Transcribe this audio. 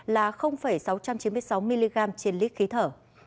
là sáu trăm chín mươi sáu mg trên lít khí thở